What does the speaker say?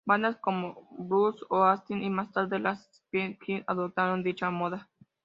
Bandas como Blur, Oasis y, más tarde, las Spice Girls adoptaron dicha moda.